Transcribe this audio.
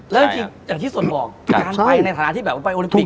อย่างที่ส่วนบอกการไปในฐานะที่ไปโอลิปิก